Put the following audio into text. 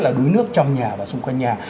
là đuối nước trong nhà và xung quanh nhà